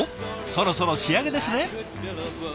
そろそろ仕上げですね。